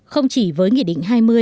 không chỉ với nghị định hai mươi